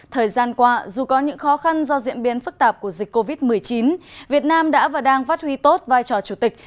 thời gian qua dù có những khó khăn do diễn biến phức tạp của dịch covid một mươi chín việt nam đã và đang phát huy tốt vai trò chủ tịch